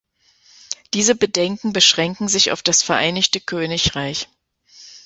Diese Bedenken beschränken sich auf das Vereinigte Königreich.